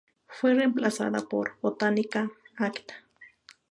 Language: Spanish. Fue reemplazada por "Botanica Acta".